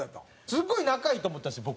すごい仲いいと思ってたんですよ